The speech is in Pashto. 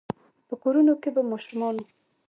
په کورونو کې به ماشومانو،